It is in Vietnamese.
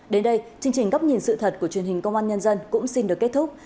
đến đây chương trình góc nhìn sự thật của truyền hình công an nhân dân cũng xin được kết thúc